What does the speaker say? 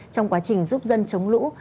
trong quá trình giúp dân chống lũ